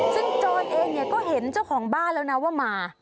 ซึ่งโจรเองเนี่ยก็เห็นเจ้าของบ้านแล้วนะว่ามา